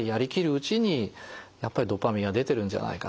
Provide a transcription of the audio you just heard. うちにやっぱりドパミンは出てるんじゃないかと。